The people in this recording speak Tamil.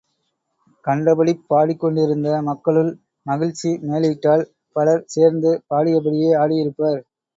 கண்டபடிப் பாடிக்கொண்டிருந்த மக்களுள், மகிழ்ச்சி மேலீட்டால் பலர் சேர்ந்து பாடியபடியே ஆடியிருப்பர்.